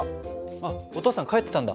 あっお父さん帰ってたんだ。